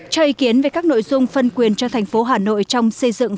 cho ý kiến về các nội dung phân quyền cho thành phố hà nội trong xây dựng